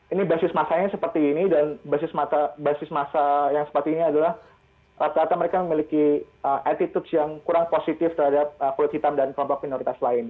ini basis masanya seperti ini dan basis masa yang seperti ini adalah rata rata mereka memiliki attitude yang kurang positif terhadap kulit hitam dan kelompok minoritas lain